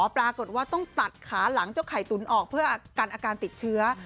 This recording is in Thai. ปรากฏว่าต้องตัดขาหลังเจ้าไข่ตุ๋นออกเพื่อกันอาการติดเชื้อ